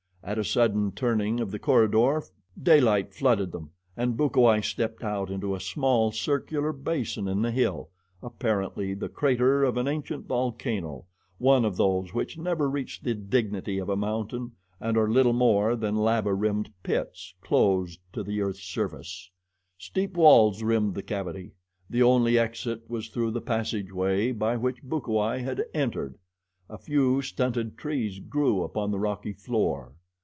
At a sudden turning of the corridor, daylight flooded them and Bukawai stepped out into a small, circular basin in the hill, apparently the crater of an ancient volcano, one of those which never reached the dignity of a mountain and are little more than lava rimmed pits closed to the earth's surface. Steep walls rimmed the cavity. The only exit was through the passageway by which Bukawai had entered. A few stunted trees grew upon the rocky floor.